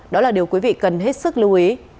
đó là điều quý vị cần hết sức lưu ý